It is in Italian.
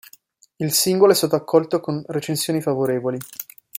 Il singolo è stato accolto con recensioni favorevoli.